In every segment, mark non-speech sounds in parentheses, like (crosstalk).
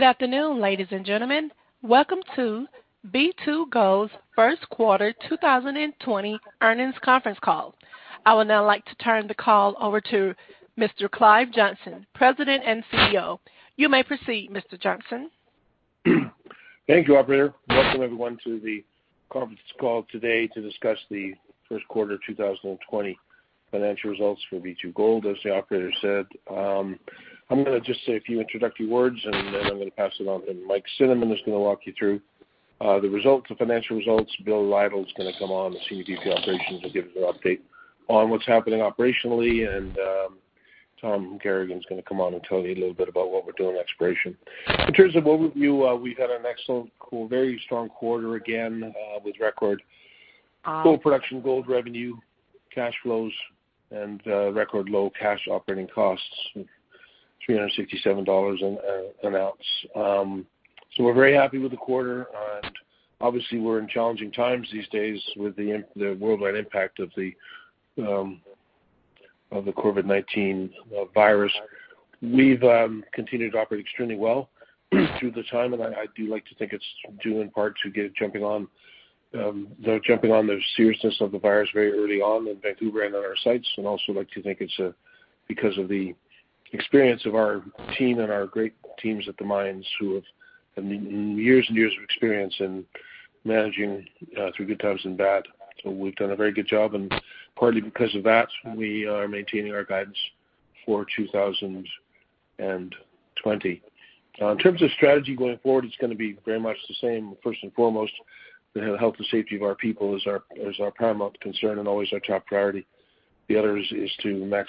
Good afternoon, ladies and gentlemen. Welcome to B2Gold's First Quarter 2020 Earnings Conference Call. I would now like to turn the call over to Mr. Clive Johnson, President and CEO. You may proceed, Mr. Johnson. Thank you, Operator. Welcome everyone to the conference call today to discuss the first quarter 2020 financial results for B2Gold, as the operator said. I'm going to just say a few introductory words and then I'm going to pass it on, and Mike Cinnamond is going to walk you through the results, the financial results. Bill Lytle is going to come on, the [SVP], Operations, he'll give us an update on what's happening operationally. Tom Garagan is going to come on and tell you a little bit about what we're doing with exploration. In terms of overview, we've had an excellent, very strong quarter again, with record gold production, gold revenue, cash flows, and record low cash operating costs, $367 an ounce. We're very happy with the quarter, and obviously we're in challenging times these days with the worldwide impact of the, you know, COVID-19 virus. We've continued to operate extremely well. Through the time, and I do like to think it's due in part to jumping on the seriousness of the virus very early on in Vancouver and on our sites. Also like to think it's because of the experience of our team and our great teams at the mines who have years and years of experience in managing through good times and bad. We've done a very good job and partly because of that, we are maintaining our guidance for 2020. In terms of strategy going forward, it's going to be very much the same. First and foremost, the health and safety of our people is our paramount concern and always our top priority. The other is to continue to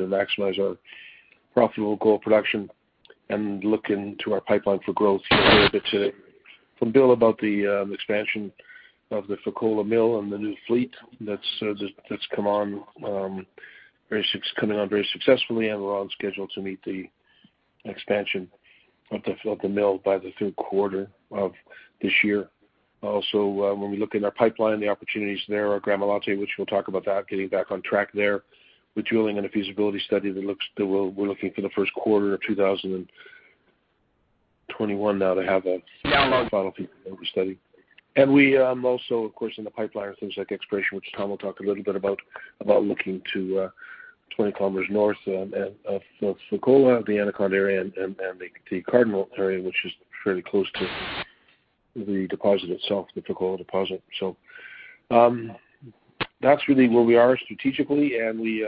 maximize our profitable gold production and look into our pipeline for growth. You'll hear a bit today from Bill about the expansion of the Fekola Mill and the new fleet that's coming on very successfully, and we're on schedule to meet the expansion of the mill by the third quarter of this year. When we look in our pipeline, the opportunities there are Gramalote, which we'll talk about that, getting back on track there. We're drilling in a feasibility study that we're looking for the first quarter of 2021 now to have a final feasibility study. We also, of course, in the pipeline are things like exploration, which Tom will talk a little bit about, looking to 20 km north of both Fekola, the Anaconda are, and the Cardinal area, which is fairly close to the deposit itself, the Fekola deposit. That's really where we are strategically, and we're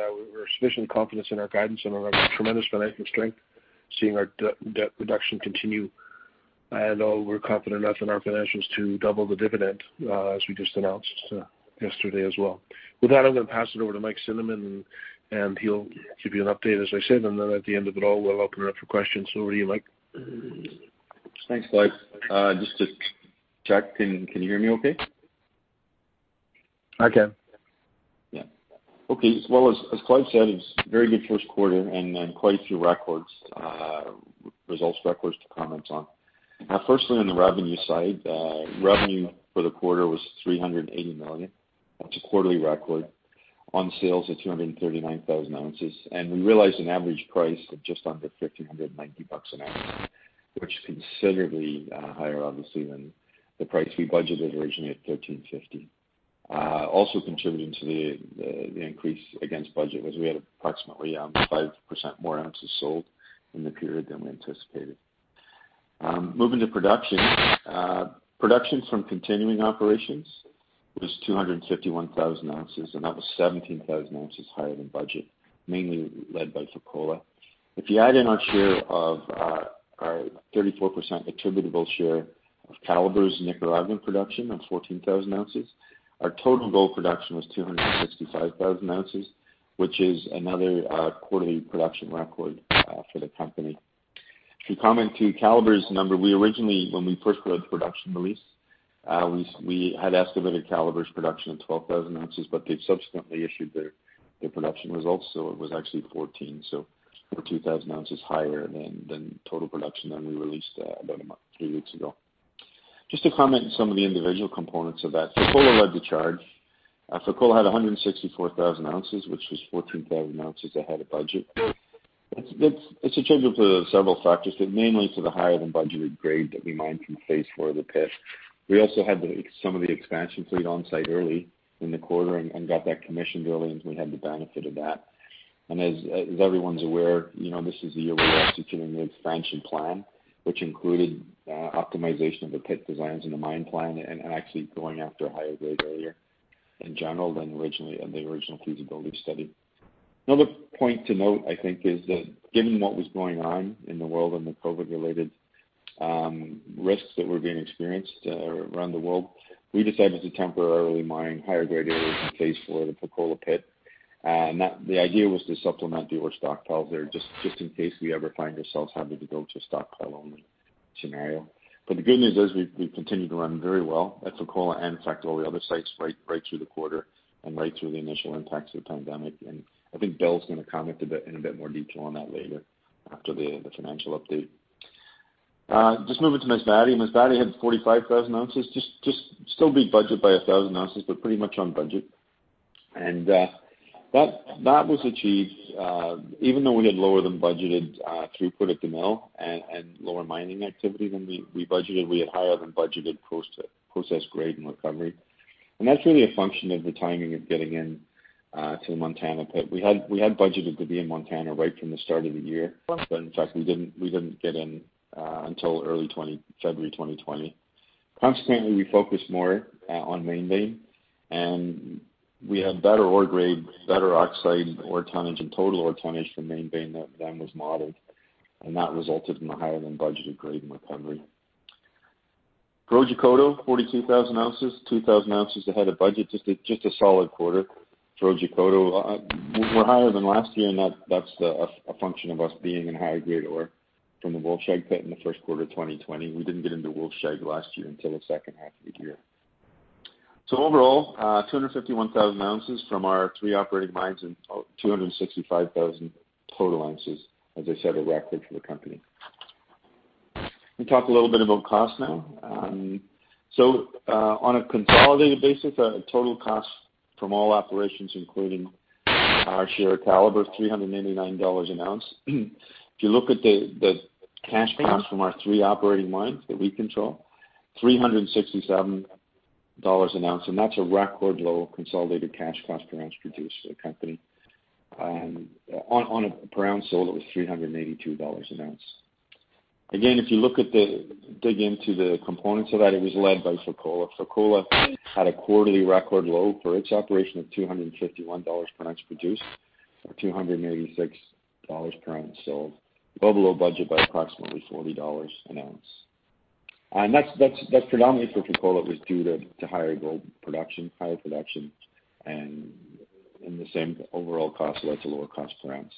sufficient confidence in our guidance and our tremendous financial strength, seeing our debt reduction continue. We're confident enough in our financials to double the dividend, as we just announced yesterday as well. With that, I'm going to pass it over to Mike Cinnamond, and he'll give you an update, as I said. Then at the end of it all, we'll open it up for questions. Over to you, Mike. Thanks, Clive. Just to check, can you hear me okay? I can. Yeah. Okay. As well as Clive said, it's a very good first quarter, quite a few results records to comment on. Firstly, on the revenue side, revenue for the quarter was $380 million. That's a quarterly record on sales of 239,000 oz We realized an average price of just under $1,590 an ounce, which is considerably higher, obviously than the price we budgeted originally at $1,350. Also contributing to the increase against budget was we had approximately 5% more ounces sold in the period than we anticipated. Moving to production. Production from continuing operations was 251,000 oz, that was 17,000 oz higher than budget, mainly led by Fekola. If you add in our 34% attributable share of Calibre's Nicaraguan production of 14,000 oz, our total gold production was 265,000 oz, which is another quarterly production record for the company. To comment to Calibre's number, when we first put out the production release, we had estimated Calibre's production at 12,000 oz, but they've subsequently issued their production results, so it was actually 14,000 oz. For 2,000 oz higher than the total production than we released about three weeks ago. Just to comment on some of the individual components of that. Fekola led the charge. Fekola had 164,000 oz, which was 14,000 oz ahead of budget. It's attributable to several factors, but mainly to the higher-than-budgeted grade that we mined from phase IV of the pit. We also had some of the expansion fleet on-site early in the quarter and got that commissioned early and we had the benefit of that. As everyone's aware, this is the year we are executing the expansion plan, which included optimization of the pit designs in the mine plan and actually going after a higher grade area in general than the original feasibility study. Another point to note, I think is that given what was going on in the world and the COVID-related risks that were being experienced around the world, we decided to temporarily mine higher-grade areas in phase IV of the Fekola pit. The idea was to supplement the ore stockpiles there just in case we ever find ourselves having to go to a stockpile-only scenario. The good news is we continued to run very well at Fekola and in fact all the other sites right through the quarter and right through the initial impacts of the pandemic. I think Bill's going to comment in a bit more detail on that later after the financial update. Just moving to Masbate. Masbate had 45,000 oz, just still beat budget by 1,000 oz, but pretty much on budget. That was achieved even though we had lower than budgeted throughput at the mill and lower mining activity than we budgeted. We had higher than budgeted process grade and recovery. That's really a function of the timing of getting into the Montana pit. We had budgeted to be in Montana right from the start of the year, but in fact, we didn't get in until early February 2020. Consequently, we focused more on Main vein, and we had better ore grade, better oxide ore tonnage and total ore tonnage from Main vein than was modeled, and that resulted in a higher than budgeted grade and recovery. Otjikoto, 42,000 oz, 2,000 oz ahead of budget. Just a solid quarter. For Otjikoto, we're higher than last year, that's a function of us being in high-grade ore from the Wolfshag pit in the first quarter 2020. We didn't get into Wolfshag last year until the second half of the year. Overall, 251,000 oz from our three operating mines and 265,000 total ounces, as I said, a record for the company. We talk a little bit about cost now. On a consolidated basis, our total cost from all operations, including our share of Calibre, is $389 an ounce. If you look at the cash cost from our three operating mines that we control, $367 an ounce, that's a record low consolidated cash cost per ounce produced for the company. On a per ounce sold, it was $382 an ounce. If you dig into the components of that, it was led by Fekola. Fekola had a quarterly record low for its operation of $251 per ounce produced or 286 per ounce sold, well below budget by approximately $40 an ounce. That predominantly for Fekola was due to higher gold production, and the same overall cost led to lower cost per ounce.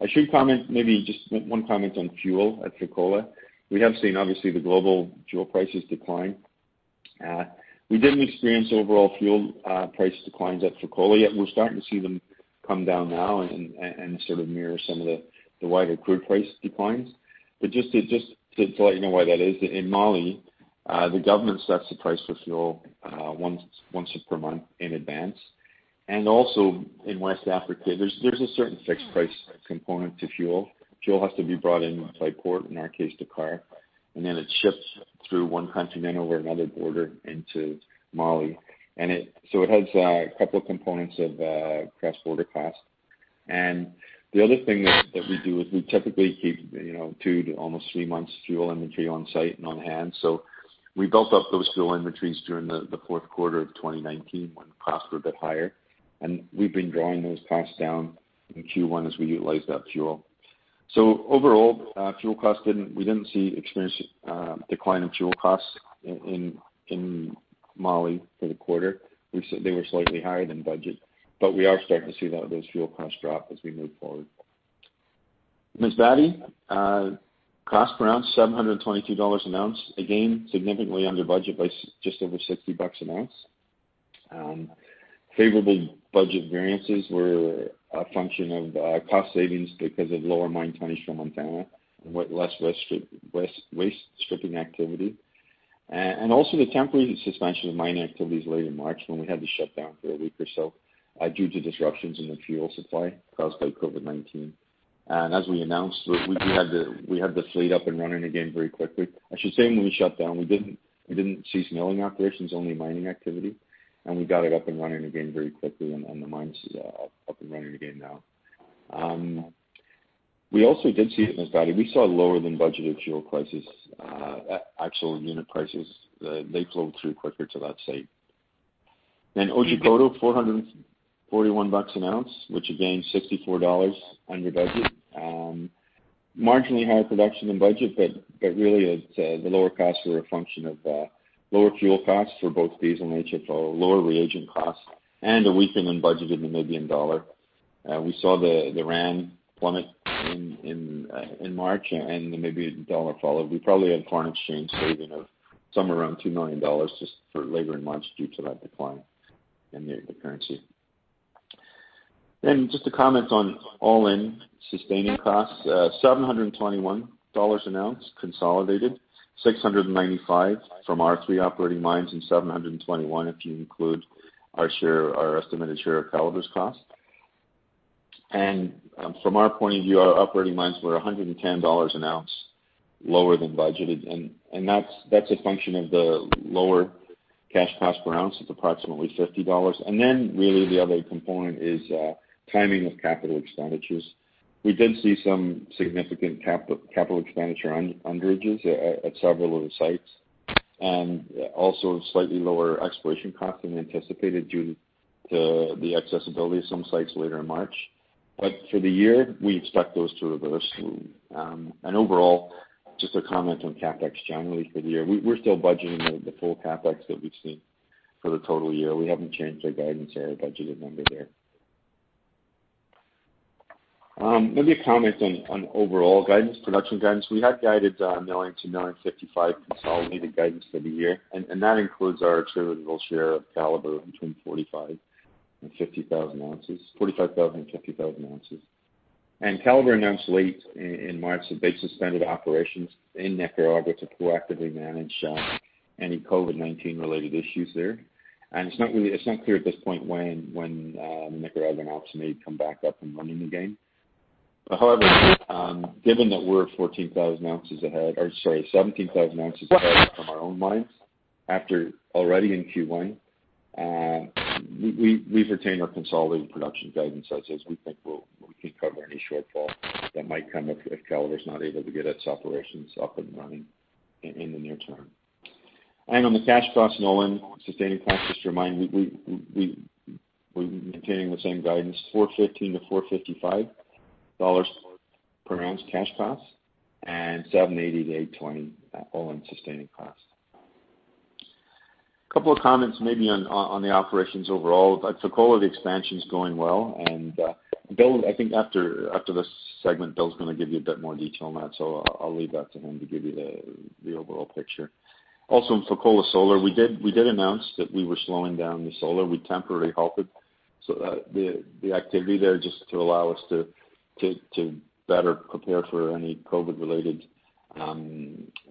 I should comment maybe just one comment on fuel at Fekola. We have seen, obviously, the global fuel prices decline. We didn't experience overall fuel price declines at Fekola, yet we're starting to see them come down now and sort of mirror some of the wider crude price declines. Just to let you know why that is, in Mali, the government sets the price for fuel once per month in advance. Also in West Africa, there's a certain fixed price component to fuel. It has a couple of components of cross-border cost. The other thing that we do is we typically keep two to almost three months fuel inventory on site and on hand. We built up those fuel inventories during the fourth quarter of 2019 when costs were a bit higher, and we've been drawing those costs down in Q1 as we utilized that fuel. Overall, we didn't see experience decline in fuel costs in Mali for the quarter. They were slightly higher than budget, but we are starting to see those fuel costs drop as we move forward. Masbate, cost per ounce, $722 an ounce, again, significantly under budget by just over $60 an ounce. Favorable budget variances were a function of cost savings because of lower mine tonnage from Montana, and less waste stripping activity. Also the temporary suspension of mining activities late in March when we had to shut down for a week or so due to disruptions in the fuel supply caused by COVID-19. As we announced, we had the fleet up and running again very quickly. I should say when we shut down, we didn't cease milling operations, only mining activity, and we got it up and running again very quickly, and the mine's up and running again now. We also did see at Masbate, we saw lower than budgeted fuel prices, actual unit prices. They flow through quicker to that site. Otjikoto, $441 an ounce, which again, $64 under budget. Really the lower costs were a function of lower fuel costs for both diesel and HFO, lower reagent costs, and a weaker than budgeted Namibian dollar. We saw the rand plummet in March. The Namibian dollar followed. We probably had foreign exchange saving of somewhere around $2 million just for later in March due to that decline in the currency. Just to comment on all-in sustaining costs, $721 an ounce consolidated, $695 from our three operating mines $721 if you include our estimated share of Calibre's cost. From our point of view, our operating mines were $110 an ounce lower than budgeted. That's a function of the lower cash cost per ounce of approximately $50. Really the other component is timing of capital expenditures. We did see some significant capital expenditure underages at several of the sites, and also slightly lower exploration costs than anticipated due to the accessibility of some sites later in March. For the year, we expect those to reverse. Overall, just a comment on CapEx generally for the year, we're still budgeting the full CapEx that we've seen for the total year. We haven't changed our guidance or our budgeted number there. Let me comment on overall guidance, production guidance. We had guided milling to 955 consolidated guidance for the year, and that includes our attributable share of Calibre between 45,000 oz and 50,000 oz. Calibre announced late in March that they suspended operations in Nicaragua to proactively manage any COVID-19 related issues there. It's not clear at this point when the Nicaragua ops may come back up and running again. However, given that we're 14,000 oz ahead, or 17,000 oz ahead from our own mines after already in Q1, we've retained our consolidated production guidance as is. We think we can cover any shortfall that might come if Calibre's not able to get its operations up and running in the near term. On the cash costs and all-in sustaining costs, just remind, we're maintaining the same guidance, $415-455 per ounce cash costs, and $780-820 all-in sustaining costs. Couple of comments maybe on the operations overall. Fekola, the expansion's going well, Bill, I think after this segment, Bill's going to give you a bit more detail on that, I'll leave that to him to give you the overall picture. Also, in Fekola Solar, we did announce that we were slowing down the solar. We temporarily halted the activity there just to allow us to better prepare for any COVID related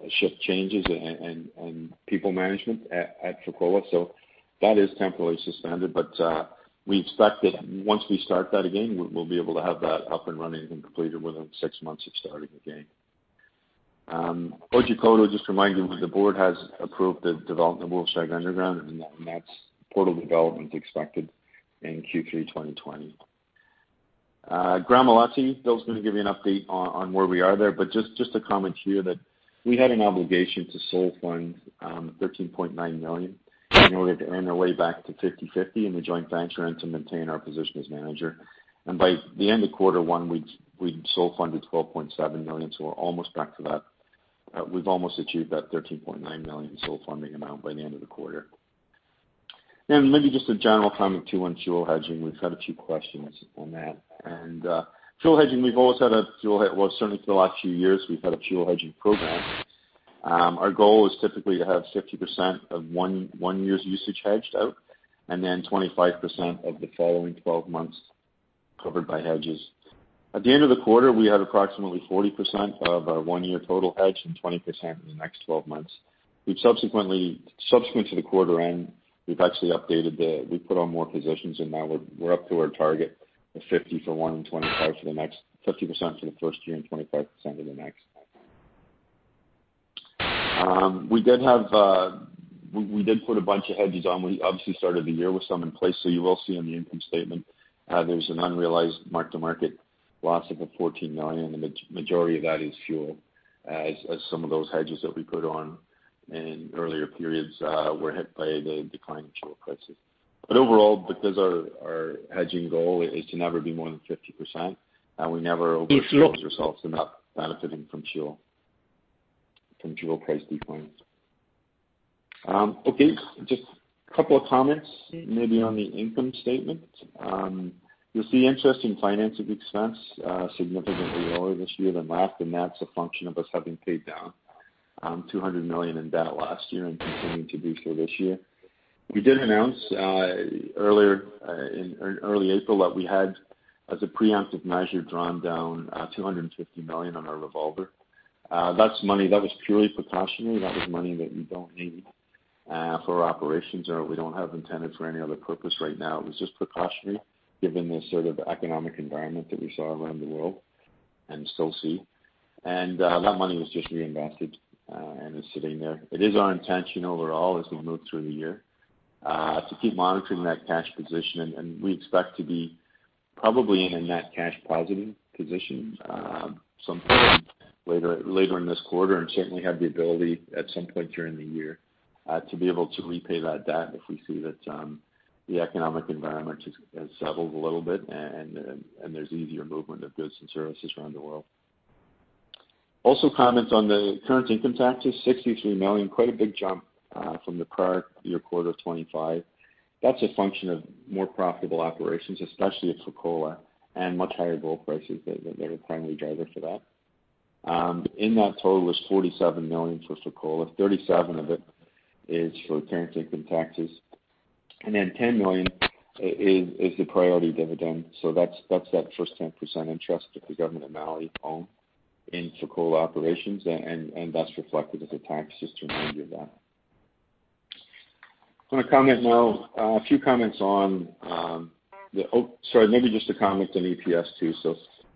shift changes and people management at Fekola. That is temporarily suspended, but we expect that once we start that again, we'll be able to have that up and running and completed within six months of starting again. Otjikoto, just remind you the board has approved the development of Wolfshag Underground, and that's portal development expected in Q3 2020. Gramalote, Bill's going to give you an update on where we are there, but just a comment here that we had an obligation to sole fund, $13.9 million in order to earn our way back to 50/50 in the joint venture and to maintain our position as manager. By the end of quarter one, we'd sole funded $12.7 million, so we're almost back to that. We've almost achieved that $13.9 million in sole funding amount by the end of the quarter. Maybe just a general comment too on fuel hedging. We've had a few questions on that. Fuel hedging, we've always had a fuel hedge. Well, certainly for the last few years, we've had a fuel hedging program. Our goal is typically to have 50% of one year's usage hedged out, and then 25% of the following 12 months covered by hedges. At the end of the quarter, we had approximately 40% of our one-year total hedged and 20% in the next 12 months. Subsequent to the quarter end, we've actually put on more positions, and now we're up to our target of 50% for one and 25% for the next. 50% for the first year and 25% of the next. We did put a bunch of hedges on. We obviously started the year with some in place. You will see on the income statement there's an unrealized mark-to-market loss of $14 million. The majority of that is fuel as some of those hedges that we put on in earlier periods were hit by the decline in fuel prices. Overall, because our hedging goal is to never be more than 50%, we never overexpose ourselves to not benefiting from fuel price declines. Okay, just couple of comments maybe on the income statement. You'll see interest and financing expense significantly lower this year than last, and that's a function of us having paid down $200 million in debt last year and continuing to do so this year. We did announce in early April that we had, as a preemptive measure, drawn down $250 million on our revolver. That's money that was purely precautionary. That was money that we don't need for our operations, or we don't have intended for any other purpose right now. It was just precautionary given the sort of economic environment that we saw around the world, and still see. That money was just reinvested, and is sitting there. It is our intention overall, as we'll note through the year, to keep monitoring that cash position, and we expect to be probably in a net cash positive position sometime later in this quarter. Certainly have the ability at some point during the year to be able to repay that debt if we see that the economic environment has settled a little bit and there's easier movement of goods and services around the world. Also comments on the current income taxes, $63 million, quite a big jump from the prior year quarter of $25. That's a function of more profitable operations, especially at Fekola, and much higher gold prices. They're the primary driver for that. In that total was $47 million for Fekola, $37 of it is for current income taxes, and then $10 million is the priority dividend. That's that first 10% interest that the government of Mali own in Fekola operations, and that's reflected as a tax, just to remind you of that. Maybe just a comment on EPS too.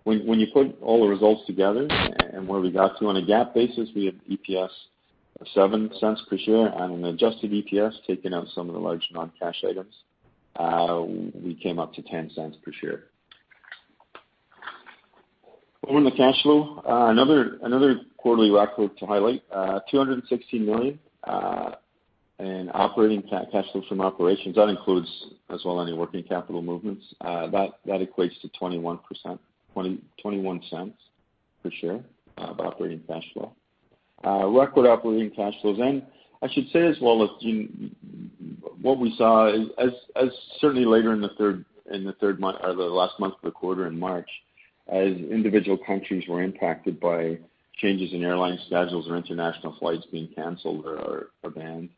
When you put all the results together and where we got to on a GAAP basis, we have EPS of $0.07 per share and an adjusted EPS, taking out some of the large non-cash items, we came up to $0.10 per share. Over in the cash flow, another quarterly record to highlight, $216 million in operating cash flows from operations. That includes as well any working capital movements. That equates to $0.21 per share of operating cash flow. Record operating cash flows. I should say as well what we saw as certainly later in the third month or the last month of the quarter in March, as individual countries were impacted by changes in airline schedules or international flights being canceled or banned.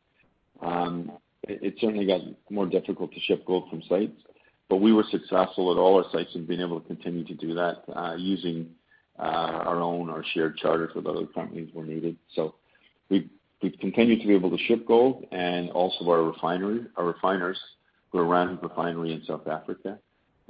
It certainly got more difficult to ship gold from sites. We were successful at all our sites in being able to continue to do that, using our own or shared charters with other companies where needed. We've continued to be able to ship gold. Also our refiners, who run the refinery in South Africa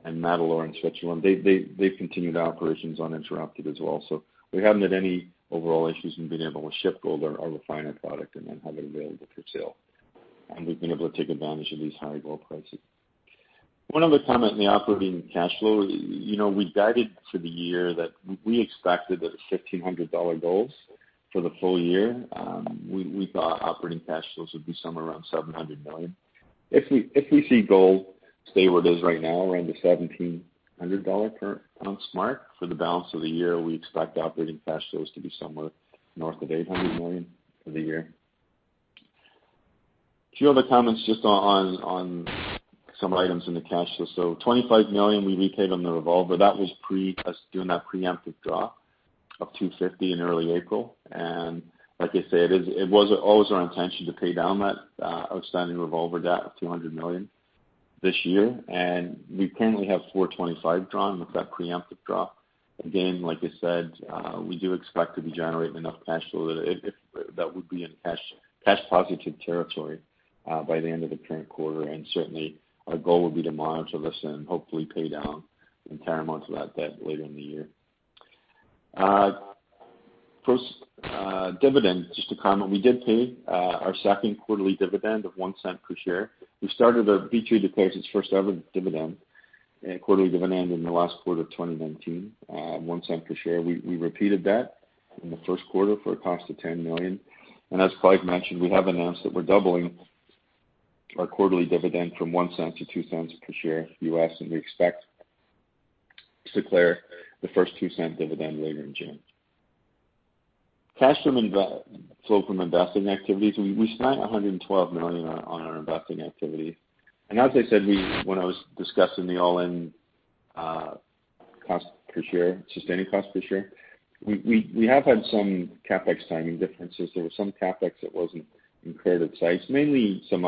and Metalor in Switzerland, they've continued operations uninterrupted as well. Sp, we haven't had any overall issues in being able to ship gold or refine our product and then have it available for sale. We've been able to take advantage of these high gold prices. One other comment on the operating cash flow. We guided for the year that we expected at $1,500 golds for the full year. We thought operating cash flows would be somewhere around $700 million. If we see gold stay where it is right now, around the $1,700 current ounce mark, for the balance of the year, we expect operating cash flows to be somewhere north of $800 million for the year. A few other comments just on some items in the cash flow. $25 million we repaid on the revolver. That was us doing that preemptive draw of $250 million in early April. Like I said, it was always our intention to pay down that outstanding revolver debt of $200 million this year. We currently have $425 drawn with that preemptive draw. Again, like I said, we do expect to be generating enough cash flow that would be in cash positive territory, by the end of the current quarter. Certainly, our goal would be to monitor this and hopefully pay down the entire amount of that debt later in the year. First, dividends, just to comment. We did pay our second quarterly dividend of $0.01 per share. B2Gold pays its first-ever dividend, quarterly dividend, in the last quarter of 2019, $0.01 per share. We repeated that in the first quarter for a cost of $10 million. As Clive mentioned, we have announced that we're doubling our quarterly dividend from $0.01 to 0.02 per share US, and we expect to declare the first $0.02 dividend later in June. Cash flow from investing activities, we spent $112 million on our investing activity. As I said, when I was discussing the all-in cost per share, sustaining cost per share, we have had some CapEx timing differences. There was some CapEx that wasn't incurred at sites, mainly some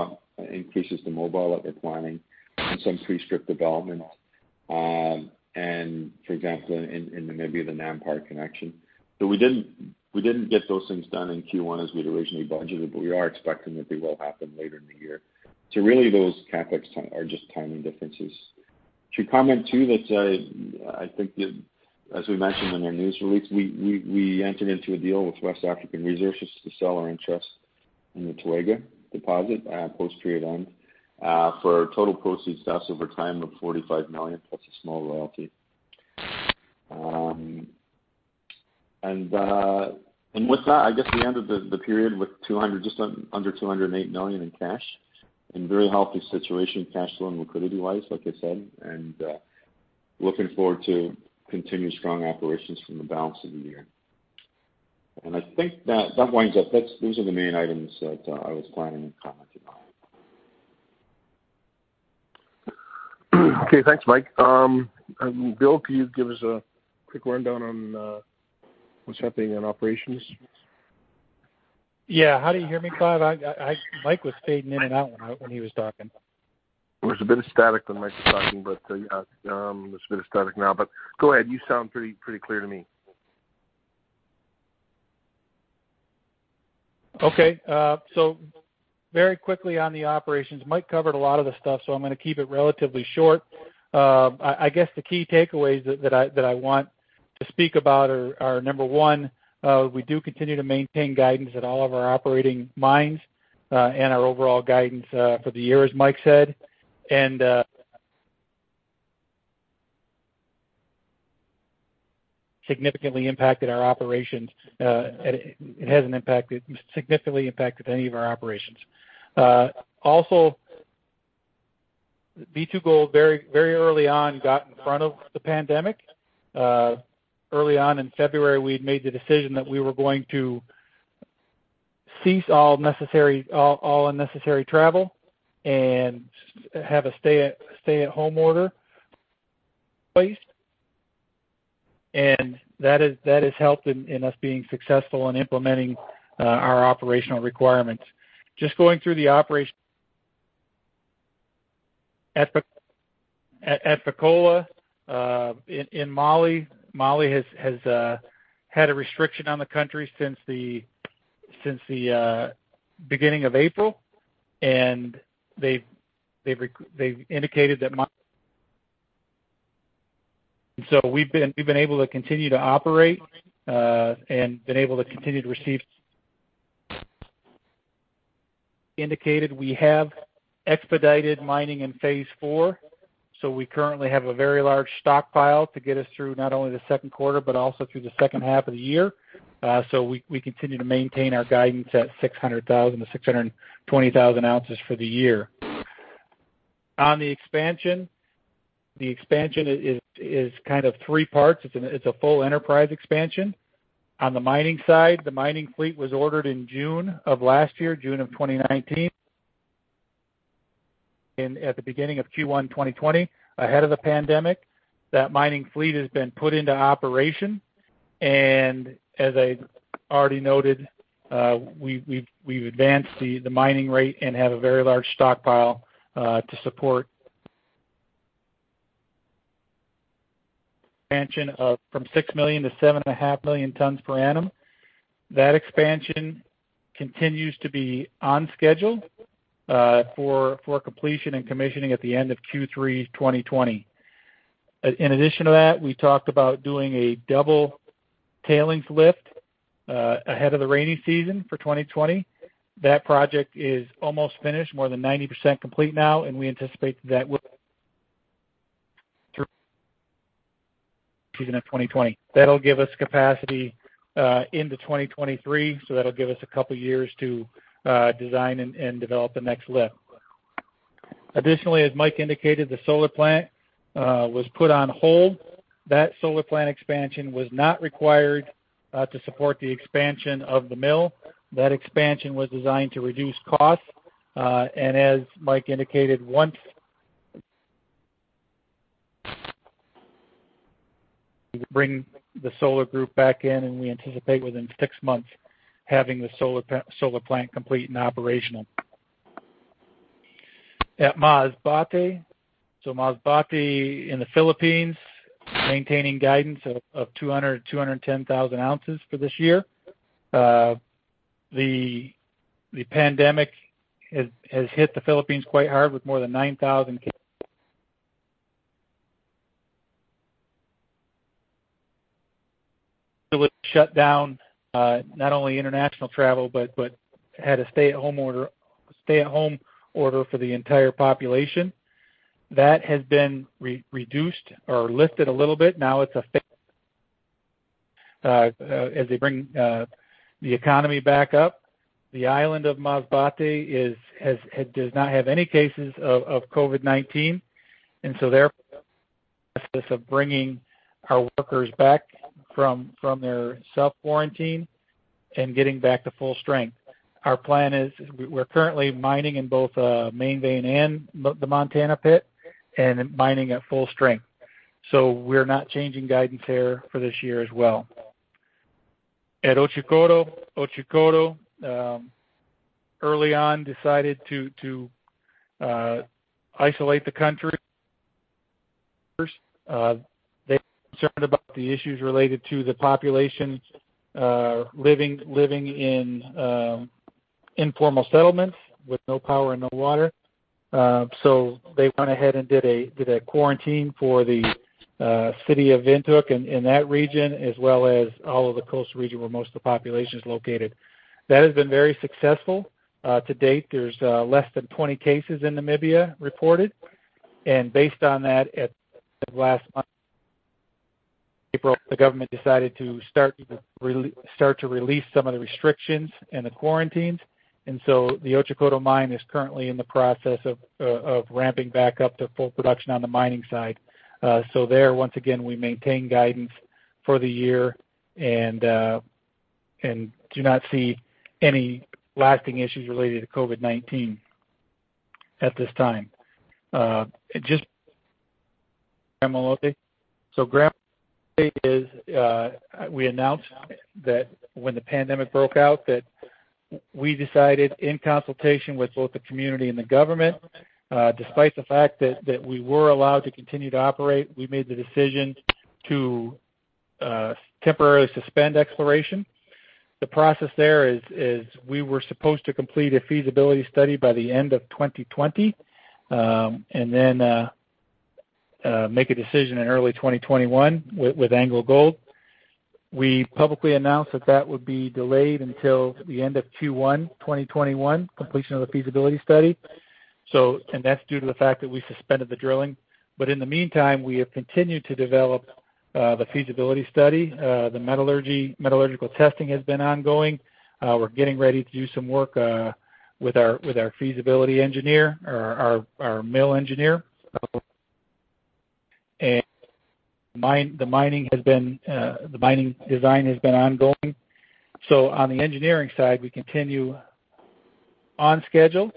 increases to mobile equipment and some pre-strip development. For example, in Namibia, the NamPower connection. We didn't get those things done in Q1 as we'd originally budgeted, but we are expecting that they will happen later in the year. Really, those CapEx are just timing differences. To comment, too, that I think as we mentioned in our news release, we entered into a deal with West African Resources to sell our interest in the Toega deposit post period end, for total proceeds to us over time of $45 million, plus a small royalty. With that, I guess we ended the period with just under $208 million in cash. In very healthy situation cash flow and liquidity-wise, like I said, and looking forward to continued strong operations from the balance of the year. I think that winds up. Those are the main items that I was planning on commenting on. Okay. Thanks, Mike. Bill, can you give us a quick rundown on what's happening in operations? Yeah. How do you hear me, Clive? Mike was fading in and out when he was talking. There was a bit of static when Mike was talking, but there's a bit of static now. Go ahead. You sound pretty clear to me. Okay. Very quickly on the operations, Mike covered a lot of the stuff, so I'm going to keep it relatively short. I guess the key takeaways that I want to speak about are, number one, we do continue to maintain guidance at all of our operating mines, and our overall guidance for the year, as Mike said. Significantly impacted our operations. It hasn't significantly impacted any of our operations. B2Gold very early on got in front of the pandemic. Early on in February, we had made the decision that we were going to cease all unnecessary travel and have a stay-at-home order placed. That has helped in us being successful in implementing our operational requirements. Just going through the operation at Fekola, in Mali. Mali has had a restriction on the country since the beginning of April. We've been able to continue to operate, and been able to continue to receive. We have expedited mining in phase 4. We currently have a very large stockpile to get us through not only the second quarter, but also through the second half of the year. We continue to maintain our guidance at 600,000 to 620,000 oz for the year. On the expansion, the expansion is kind of three parts. It's a full enterprise expansion. On the mining side, the mining fleet was ordered in June of last year, June of 2019. At the beginning of Q1 2020, ahead of the pandemic, that mining fleet has been put into operation. As I already noted, we've advanced the mining rate and have a very large stockpile to support expansion from 6 million to 7.5 million tons per annum. That expansion continues to be on schedule for completion and commissioning at the end of Q3 2020. In addition to that, we talked about doing a double tailings lift, ahead of the rainy season for 2020. That project is almost finished, more than 90% complete now, and we anticipate that season of 2020. That'll give us capacity into 2023, that'll give us a couple years to design and develop the next lift. Additionally, as Mike indicated, the solar plant was put on hold. That solar plant expansion was not required to support the expansion of the mill. That expansion was designed to reduce costs. As Mike indicated, once we bring the solar plant back in, we anticipate within six months, having the solar plant complete and operational. At Masbate in the Philippines, maintaining guidance of 200,000 oz-210,000 oz for this year. The pandemic has hit the Philippines quite hard with more than 9,000 shut down, not only international travel but had a stay-at-home order for the entire population. That has been reduced or lifted a little bit. Now, as they bring the economy back up. The island of Masbate does not have any cases of COVID-19, they're bringing our workers back from their self-quarantine and getting back to full strength. Our plan is we're currently mining in both Main Vein and the Montana pit and mining at full strength. We're not changing guidance there for this year as well. At Otjikoto, early on decided to isolate the country they were concerned about the issues related to the population living in informal settlements with no power and no water. They went ahead and did a quarantine for the city of Windhoek in that region as well as all of the coastal region where most of the population is located. That has been very successful. To date, there's less than 20 cases in Namibia reported. Based on that, at last month, April, the government decided to start to release some of the restrictions and the quarantines. The Otjikoto mine is currently in the process of ramping back up to full production on the mining side. There, once again, we maintain guidance for the year and do not see any lasting issues related to COVID-19 at this time. Just Gramalote. Gramalote is, we announced that when the pandemic broke out that we decided in consultation with both the community and the government, despite the fact that we were allowed to continue to operate, we made the decision to temporarily suspend exploration. The process there is we were supposed to complete a feasibility study by the end of 2020, and then make a decision in early 2021 with AngloGold. We publicly announced that that would be delayed until the end of Q1 2021, completion of the feasibility study. That's due to the fact that we suspended the drilling. In the meantime, we have continued to develop the feasibility study. The metallurgical testing has been ongoing. We're getting ready to do some work with our feasibility engineer or our mill engineer. The mining design has been ongoing. On the engineering side, we continue on schedule,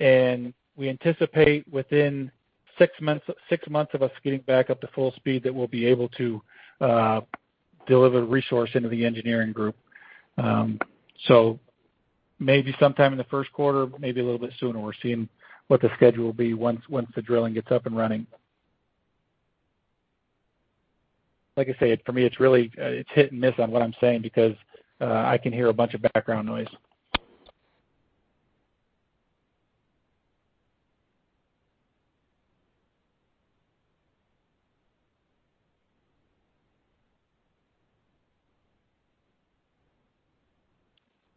and we anticipate within six months of us getting back up to full speed, that we'll be able to deliver resource into the engineering group. Maybe sometime in the first quarter, maybe a little bit sooner. We're seeing what the schedule will be once the drilling gets up and running. Like I say, for me, it's hit and miss on what I'm saying because I can hear a bunch of background noise.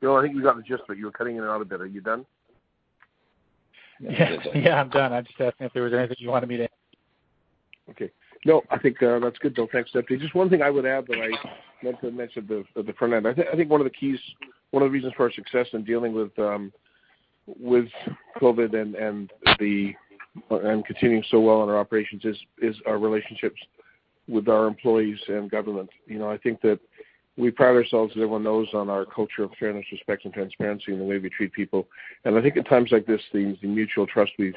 Bill, I think you got the gist of it. You were cutting in and out a bit. Are you done? Yeah. I'm done. I was just asking if there was anything you wanted me to. Okay. No, I think that's good though. Thanks, Bill. Just one thing I would add that I meant to mention at the front end. I think one of the keys, one of the reasons for our success in dealing with COVID-19 and continuing so well on our operations is our relationships with our employees and government. I think that we pride ourselves, as everyone knows, on our culture of fairness, respect, and transparency in the way we treat people. I think at times like this, the mutual trust we've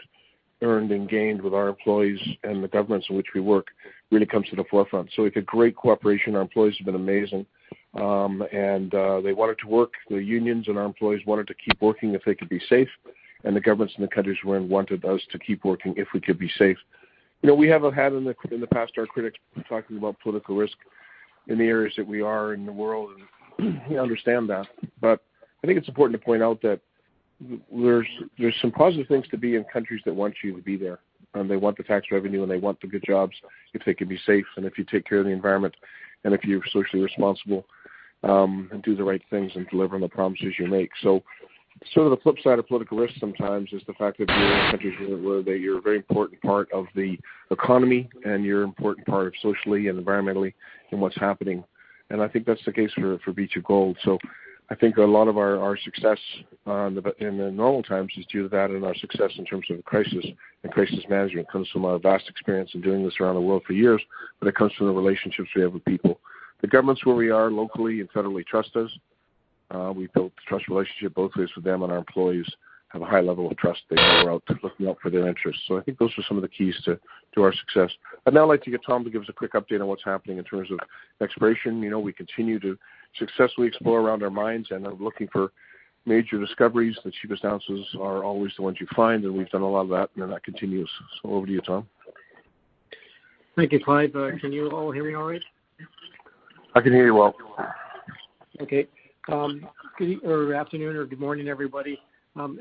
earned and gained with our employees and the governments in which we work really comes to the forefront. We've had great cooperation. Our employees have been amazing. They wanted to work. The unions and our employees wanted to keep working if they could be safe, and the governments in the countries we're in wanted us to keep working if we could be safe. We have had in the past, our critics talking about political risk in the areas that we are in the world, and we understand that. I think it's important to point out that there's some positive things to be in countries that want you to be there, and they want the tax revenue, and they want the good jobs if they can be safe and if you take care of the environment and if you're socially responsible, and do the right things and deliver on the promises you make. The flip side of political risk sometimes is the fact that you're in countries where you're a very important part of the economy and you're an important part socially and environmentally in what's happening, and I think that's the case for B2Gold. I think a lot of our success in the normal times is due to that and our success in terms of crisis and crisis management comes from our vast experience in doing this around the world for years. It comes from the relationships we have with people. The governments where we are locally and federally trust us. We've built a trust relationship both ways with them, and our employees have a high level of trust that we're out looking out for their interests. I think those are some of the keys to our success. I'd now like to get Tom to give us a quick update on what's happening in terms of exploration. We continue to successfully explore around our mines and are looking for major discoveries. The cheapest ounces are always the ones you find, and we've done a lot of that, and that continues. Over to you, Tom. Thank you, Clive. Can you all hear me all right? I can hear you well. Okay. Good afternoon or good morning, everybody.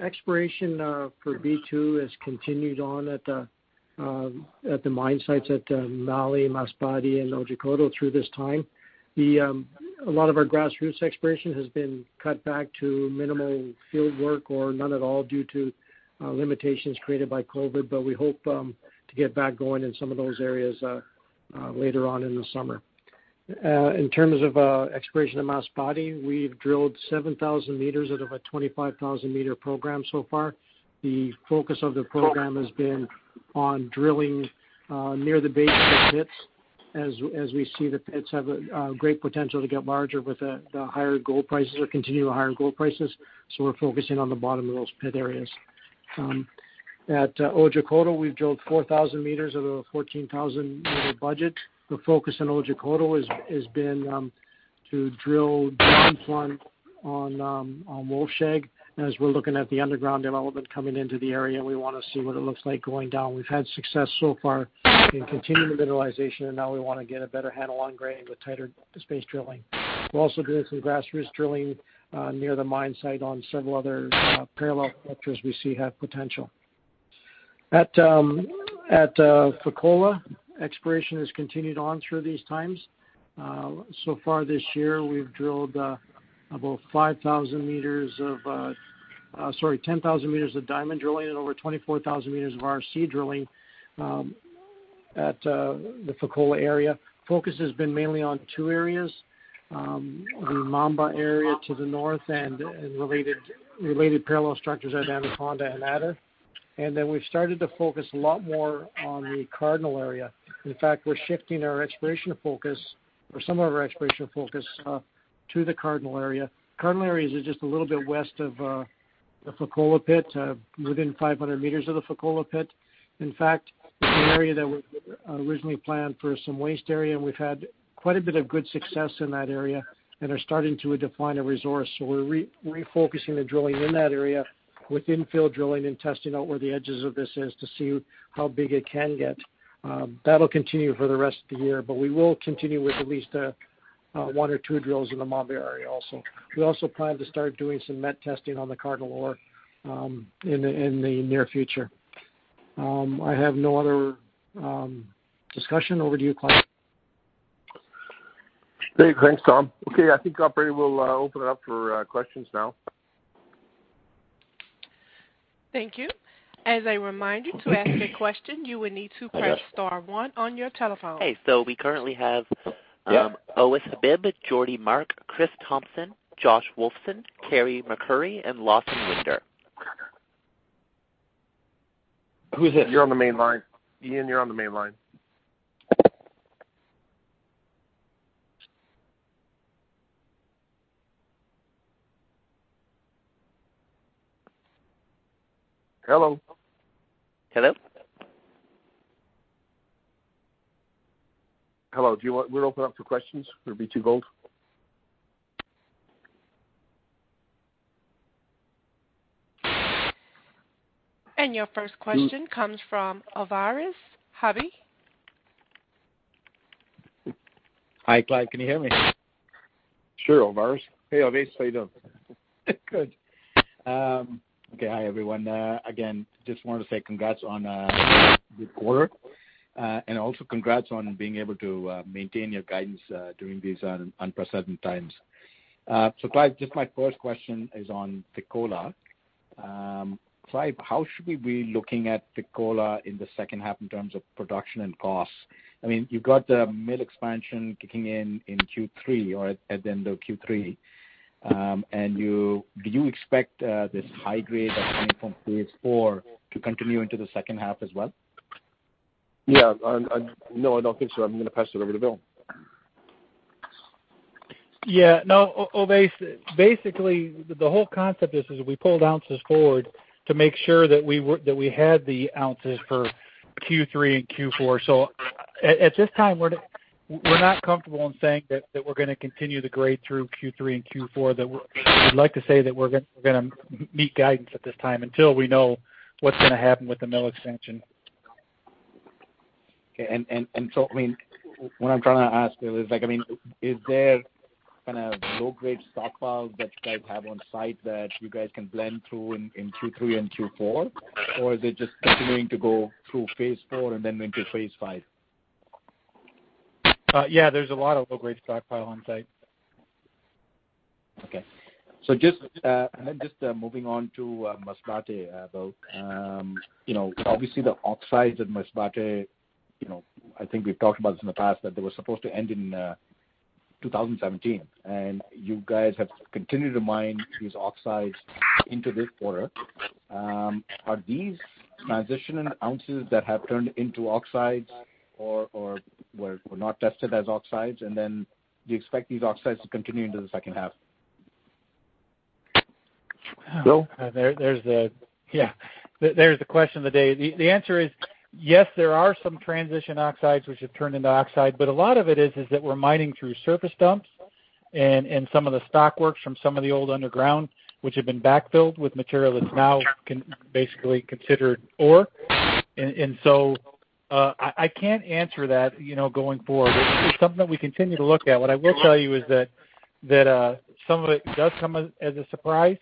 Exploration for B2Gold has continued on at the mine sites at Mali, Masbate, and Otjikoto through this time. A lot of our grassroots exploration has been cut back to minimal field work or none at all due to limitations created by COVID. We hope to get back going in some of those areas later on in the summer. In terms of exploration at Masbate, we've drilled 7,000 m out of a 25,000-m program so far. The focus of the program has been on drilling near the base of the pits, as we see the pits have a great potential to get larger with the higher gold prices or continue the higher gold prices. We're focusing on the bottom of those pit areas. At Otjikoto, we've drilled 4,000 m of the 14,000-m budget. The focus on Otjikoto has been to drill down plant on Wolfshag. As we're looking at the underground development coming into the area, we want to see what it looks like going down. We've had success so far in continuing the mineralization, now we want to get a better handle on grade with tighter space drilling. We're also doing some grassroots drilling near the mine site on several other parallel structures we see have potential. At Fekola, exploration has continued on through these times. So far this year, we've drilled about 10,000 m of diamond drilling and over 24,000 meters of RC drilling at the Fekola area. Focus has been mainly on two areas, the Mamba area to the north and related parallel structures at Anaconda and Adder. We've started to focus a lot more on the Cardinal area. We're shifting our exploration focus, or some of our exploration focus, to the Cardinal area. Cardinal area is just a little bit west of the Fekola pit, within 500 m of the Fekola pit. It's an area that we originally planned for some waste area. We've had quite a bit of good success in that area and are starting to define a resource. We're refocusing the drilling in that area with infill drilling and testing out where the edges of this is to see how big it can get. That'll continue for the rest of the year. We will continue with at least one or two drills in the Mamba area also. We also plan to start doing some met testing on the Cardinal ore in the near future. I have no other discussion. Over to you, Clive. Great. Thanks, Tom. Okay, I think operator will open it up for questions now. Thank you. As a reminder, to ask a question, you will need to press star one on your telephone. Okay, we currently have Ovais Habib, Geordie Mark, Kris Thompson, Josh Wolfson, Carey MacRury, and Lawson Winder. Who's this? You're on the main line. Ian, you're on the main line. Hello? Hello? Hello, we're open up to questions for B2Gold. Your first question comes from Ovais Habib. Hi, Clive, can you hear me? Sure, Ovais. Hey, Ovais, how you doing? Good. Okay. Hi, everyone. Again, just wanted to say congrats on a good quarter, and also congrats on being able to maintain your guidance during these unprecedented times. Clive, just my first question is on Fekola. Clive, how should we be looking at Fekola in the second half in terms of production and costs? You've got the mill expansion kicking in Q3 or at the end of Q3. Do you expect this high grade that's coming from phase four to continue into the second half as well? No, I don't think so. I'm going to pass it over to Bill. Yeah, no. Basically, the whole concept is we pulled ounces forward to make sure that we had the ounces for Q3 and Q4. At this time, we're not comfortable in saying that we're going to continue the grade through Q3 and Q4, that we'd like to say that we're going to meet guidance at this time until we know what's going to happen with the mill extension. Okay. What I'm trying to ask, Bill, is there low-grade stockpile that you guys have on site that you guys can blend through in Q3 and Q4? Are they just continuing to go through phase IV and then into phase V? Yeah, there's a lot of low-grade stockpile on site. Okay. Just moving on to Masbate, Bill. Obviously, the oxides at Masbate, I think we've talked about this in the past, that they were supposed to end in 2017, and you guys have continued to mine these oxides into this quarter. Are these transition ounces that have turned into oxides or were not tested as oxides, and then do you expect these oxides to continue into the second half? Bill? Yeah. There's the question of the day. The answer is, yes, there are some transition oxides which have turned into oxide, but a lot of it is that we're mining through surface dumps and some of the stock works from some of the old underground, which have been backfilled with material that's now basically considered ore. I can't answer that going forward. It's something that we continue to look at. What I will tell you is that some of it does come as a surprise,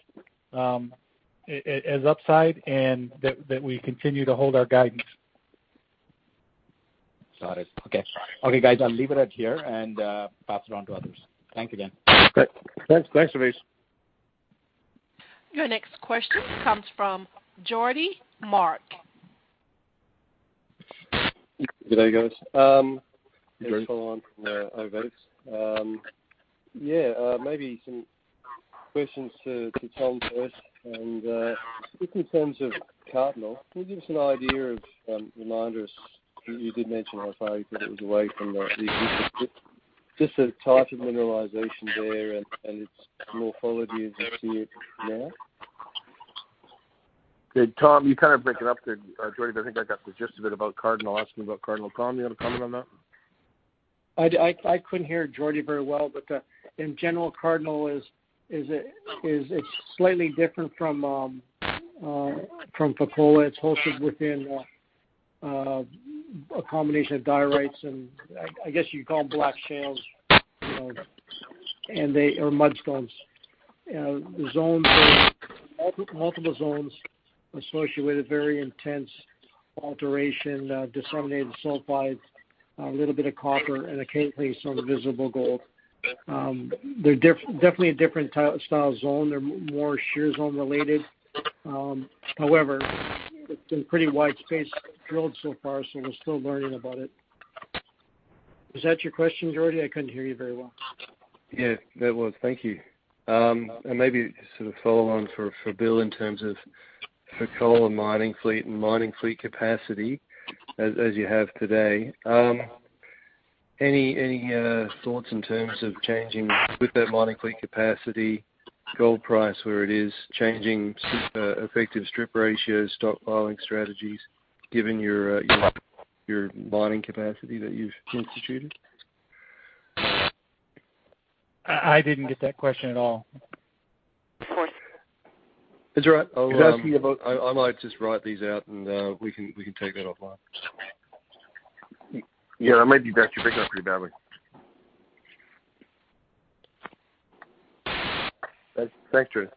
as upside, and that we continue to hold our guidance. Got it. Okay. Okay, guys, I'll leave it at here and pass it on to others. Thank you again. Great. Thanks, Ovais. Your next question comes from Geordie Mark. Good day, guys. (audio distortion) Ovais. Yeah, maybe some questions to Tom first. Just in terms of Cardinal, can you remind us, you did mention on Friday that it was away from the Just the type of mineralization there and its morphology as you see it now? Good. Tom, you're kind of breaking up there, Geordie, but I think I got the gist of it about Cardinal, asking about Cardinal. Tom, do you want to comment on that? I couldn't hear Geordie very well. In general, Cardinal is slightly different from Fekola. It's hosted within a combination of diorites and I guess you'd call them black shales, and they are mudstones. Multiple zones associated with very intense alteration, disseminated sulfides, a little bit of copper, and occasionally some visible gold. They're definitely a different style zone. They're more shear zone-related. It's been pretty widespread drilled so far. We're still learning about it. Was that your question, Geordie? I couldn't hear you very well. Yeah, that was-- thank you. Maybe just sort of follow on for Bill in terms of Fekola mining fleet and mining fleet capacity as you have today. Any thoughts in terms of changing with that mining fleet capacity, gold price where it is, changing effective strip ratios, stockpiling strategies, given your mining capacity that you've instituted? I didn't get that question at all. Sorry. It's all right. I was asking about… I might just write these out and we can take that offline. Yeah, that might be best. You're breaking up pretty badly. Thank you.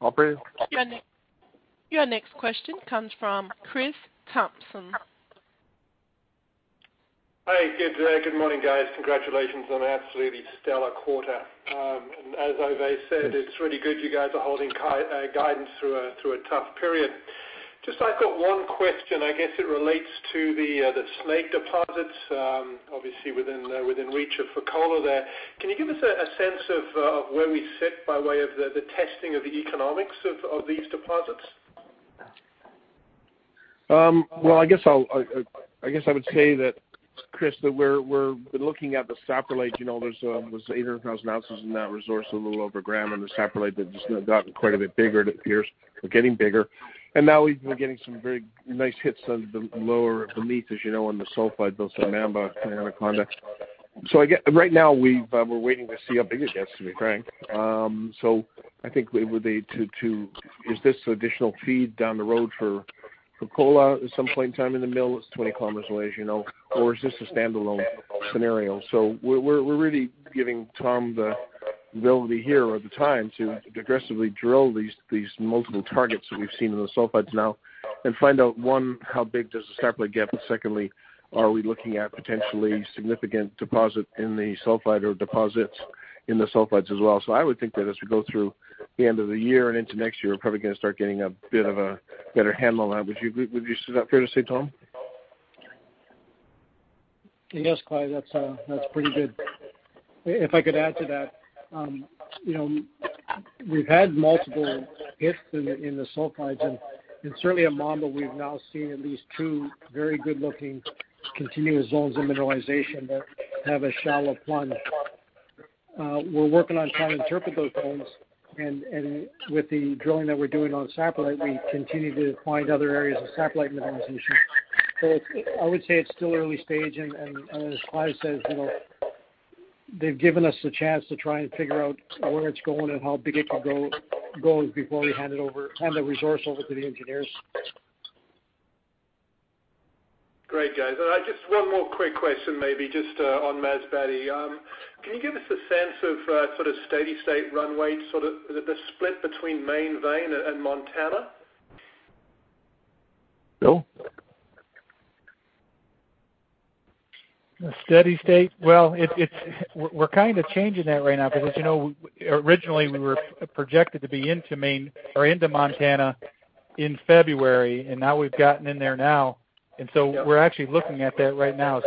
Operator? Your next question comes from Kris Thompson. Hey, good day. Good morning, guys. Congratulations on an absolutely stellar quarter. As Ovais said, it's really good you guys are holding guidance through a tough period. Just I've got one question. I guess it relates to the Snake deposits, obviously within reach of Fekola there. Can you give us a sense of where we sit by way of the testing of the economics of these deposits? Well, I guess I would say that, Kris, that we're looking at the saprolite. There's 800,000 oz in that resource, a little over a gram in the saprolite that has now gotten quite a bit bigger, it appears. We're getting bigger. Now we've been getting some very nice hits on the lower beneath, as you know, on the sulfide belts on Mamba, Anaconda. Right now we're waiting to see how big it gets, to be frank. I think we would need to, is this additional feed down the road for Fekola at some point in time in the mill? It's 20 km away, as you know. Is this a standalone scenario? We're really giving Tom the ability here or the time to aggressively drill these multiple targets that we've seen in the sulfides now and find out, one, how big does the saprolite get? Secondly, are we looking at potentially significant deposit in the sulfide or deposits in the sulfides as well? I would think that as we go through the end of the year and into next year, we're probably going to start getting a bit of a better handle on that. Would you say that's fair to say, Tom? Yes, Clive, that's pretty good. If I could add to that, you know, we've had multiple hits in the sulfides, and certainly at Mamba, we've now seen at least two very good-looking continuous zones of mineralization that have a shallow plunge. We're working on trying to interpret those zones, and with the drilling that we're doing on saprolite, we continue to find other areas of saprolite mineralization. I would say it's still early stage, and as Clive says, they've given us the chance to try and figure out where it's going and how big it could go before we hand the resource over to the engineers. Great, guys. Just one more quick question, maybe, just on Masbate. Can you give us a sense of steady state runway to the split between Main Vein and Montana? Bill? Steady state? Well, we're kind of changing that right now because originally we were projected to be into Main, or into Montana in February, and now we've gotten in there now, and so we're actually looking at that right now.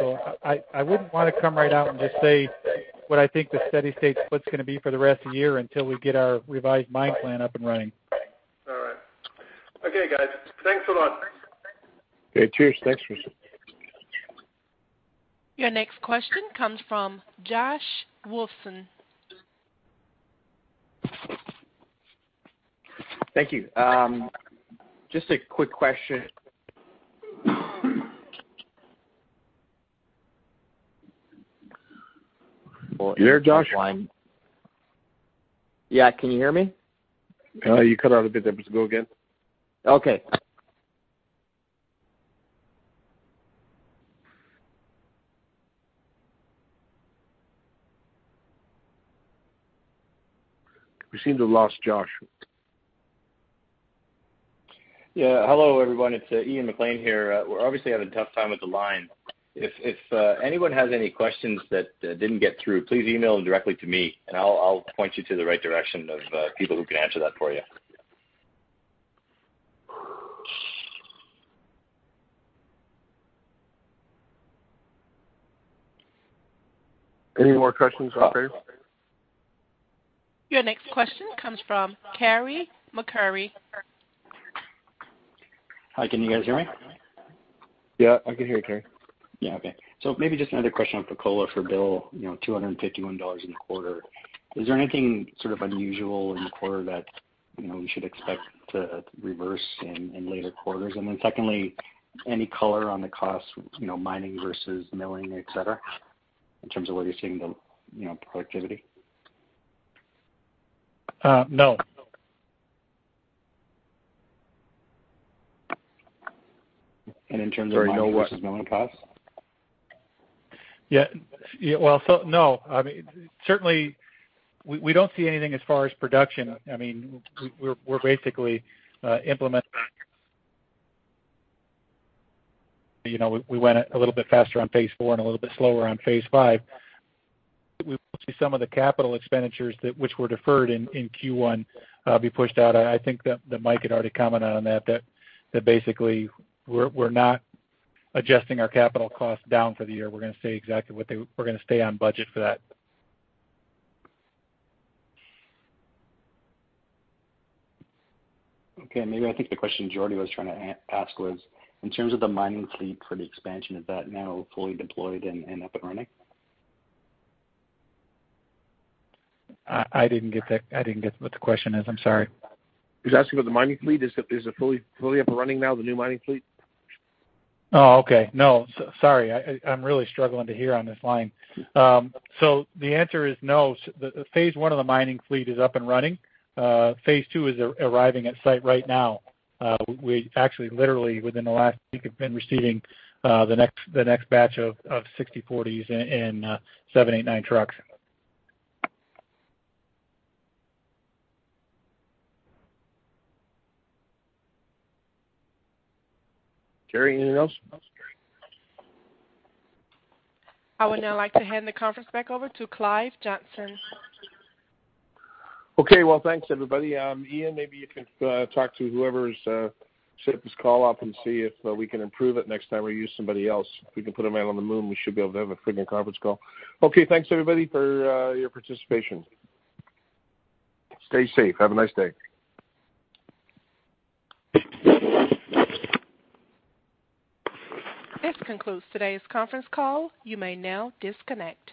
I wouldn't want to come right out and just say what I think the steady state split's going to be for the rest of the year until we get our revised mine plan up and running. All right. Okay, guys. Thanks a lot. Okay. Cheers. Thanks, Kris. Your next question comes from Josh Wolfson. Thank you. Just a quick question. You're Josh? Yeah. Can you hear me? You cut out a bit there. Go again. Okay. We seem to have lost Josh. Yeah. Hello, everyone. It's Ian MacLean here. We're obviously having a tough time with the line. If anyone has any questions that didn't get through, please email them directly to me, and I'll point you to the right direction of people who can answer that for you. Any more questions, Operators? Your next question comes from Carey MacRury. Hi, can you guys hear me? Yeah, I can hear you, Carey. Maybe just another question on Fekola for Bill, you know, $251 in the quarter. Is there anything unusual in the quarter that we should expect to reverse in later quarters? Secondly, any color on the cost, mining versus milling, et cetera, in terms of where you're seeing the productivity? No. In terms of mining versus milling costs? Well, no. Certainly, we don't see anything as far as production. We're basically we went a little bit faster on phase four and a little bit slower on phase five. We will see some of the capital expenditures that which were deferred in Q1, be pushed out. I think that Mike had already commented on that basically we're not adjusting our capital costs down for the year. We're going to stay on budget for that. Okay. Maybe I think the question Geordie was trying to ask was, in terms of the mining fleet for the expansion, is that now fully deployed and up and running? I didn't get what the question is. I'm sorry. He's asking about the mining fleet. Is it fully up and running now, the new mining fleet? Oh, okay. No. Sorry, I'm really struggling to hear on this line. The answer is no. Phase I of the mining fleet is up and running. Phase II is arriving at site right now. We actually literally within the last week have been receiving the next batch of 6040s and 789 trucks. Carey, anything else? I would now like to hand the conference back over to Clive Johnson. Okay, well, thanks everybody. Ian, maybe you can talk to whoever set this call up and see if we can improve it next time or use somebody else. If we can put them out on the moon, we should be able to have a freaking conference call. Okay, thanks everybody for your participation. Stay safe. Have a nice day. This concludes today's conference call. You may now disconnect.